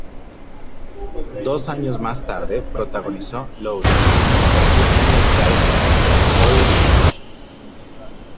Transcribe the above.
Dos años más tarde, protagonizó "Loaded" junto a Jesse Metcalfe y Corey Large.